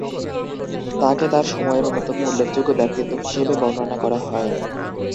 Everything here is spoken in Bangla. তাকে "তার সময়ের অন্যতম উল্লেখযোগ্য ব্যক্তিত্ব" হিসেবে বর্ণনা করা হয়।